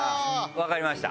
わかりました。